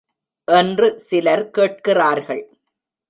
என்று சிலர் கேட்கிறார்கள்.